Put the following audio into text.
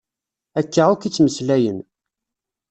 Akka akk i ttmeslayen.